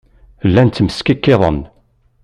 Llan ttmeskikkiḍen.